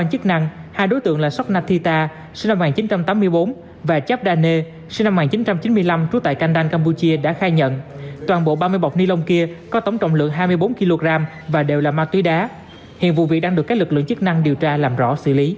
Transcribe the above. hai đối tượng là sok nathita sinh năm một nghìn chín trăm tám mươi bốn và chapdane sinh năm một nghìn chín trăm chín mươi năm trú tại kandang campuchia đã khai nhận toàn bộ ba mươi bọc ni lông kia có tổng trọng lượng hai mươi bốn kg và đều là ma túy đá hiện vụ việc đang được các lực lượng chức năng điều tra làm rõ xử lý